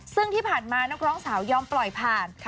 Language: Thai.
ซึ่งที่ผ่านมานักร้องสาวยอมปล่อยผ่าน